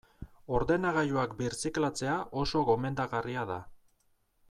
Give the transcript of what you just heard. Ordenagailuak birziklatzea oso gomendagarria da.